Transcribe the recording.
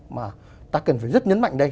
mà ta cần phải rất nhấn mạnh đây